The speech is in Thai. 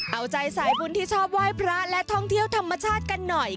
เอาใจสายบุญที่ชอบไหว้พระและท่องเที่ยวธรรมชาติกันหน่อย